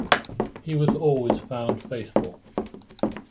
He was always found faithful.